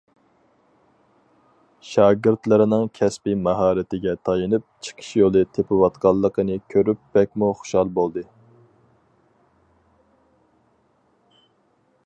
شاگىرتلىرىنىڭ كەسپىي ماھارىتىگە تايىنىپ، چىقىش يولى تېپىۋاتقانلىقىنى كۆرۈپ بەكمۇ خۇشال بولدى.